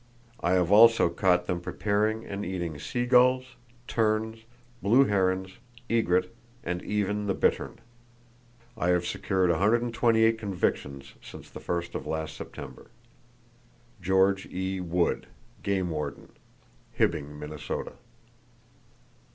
I have also caught them preparing and eating sea gulls, terns, blue heron, egret and even the bittern. I have secured 128 convictions since the first of last September.—(George E. Wood, Game Warden, Hibbing, Minnesota.)